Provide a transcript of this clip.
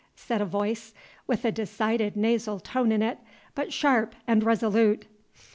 said a voice, with a decided nasal tone in it, but sharp and resolute.